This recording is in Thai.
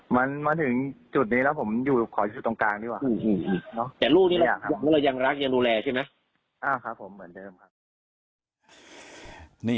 มันถึงจุดนี้แล้วผมอยู่ขอยอยู่ตรงกลางดีกว่า